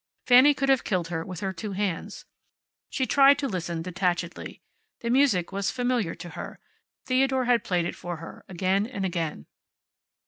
Fanny could have killed her with her two hands. She tried to listen detachedly. The music was familiar to her. Theodore had played it for her, again and again.